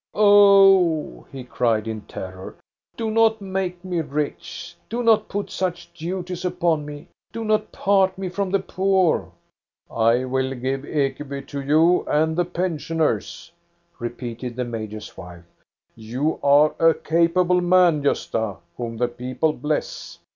Oh," he cried in terror, " do not make me rich ! Do not put such duties upon me ! Do not part me from the poor !"" I will give Ekeby to you and the pensioners," repeated the major's wife. You are a capable man, MARGARETA CELSING 469 Gosta, whom the people bless.